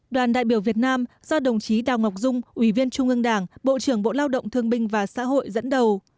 đoàn đại biểu việt nam do đồng chí đào ngọc dung ủy viên trung ương đảng bộ trưởng bộ lao động thương binh và xã hội dẫn đầu